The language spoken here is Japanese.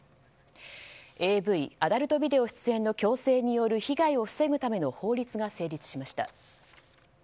ＡＶ・アダルトビデオの出演の強制による被害を防ぐための法律が成立しました。